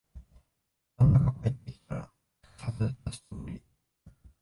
旦那が帰ってきたら、すかさず出すつもり。